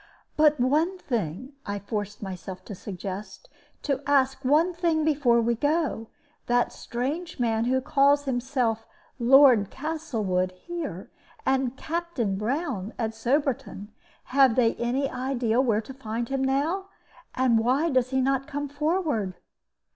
"But one thing," I forced myself to suggest; "do ask one thing before we go. That strange man who called himself 'Lord Castlewood' here, and 'Captain Brown' at Soberton have they any idea where to find him now? And why does he not come forward?"